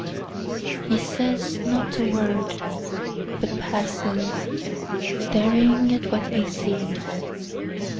He says not a word, but passes, Staring at what he sees.